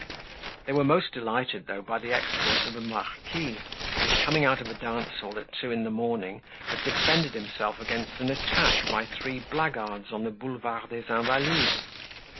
They were most delighted though by the exploit of a Marquis who, coming out of a dance hall at two in the morning, had defended himself against an attack by three blackguards on the Boulevard des Invalides.